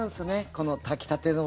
この炊きたての。